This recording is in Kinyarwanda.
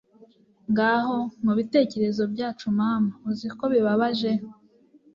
Ngaho mubitekerezo byacu mama uzi ko bibabaje